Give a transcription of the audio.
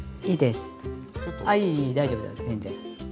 いいです。